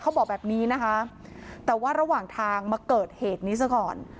เขาบอกแบบนี้นะคะแต่ว่าระหว่างทางมาเกิดเหตุนี้ซะก่อน